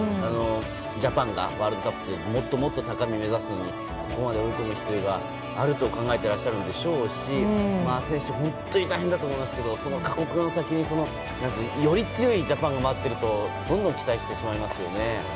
ジャパンがワールドカップもっと高みを目指すのにここまで追い込む必要があると考えているんでしょうし選手、本当に大変だと思いますがその過酷の先により強いジャパンが待っているとどんどん期待してしまいますよね。